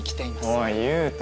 おい雄太。